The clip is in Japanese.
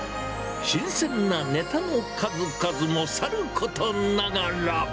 新鮮なネタの数々もさることながら。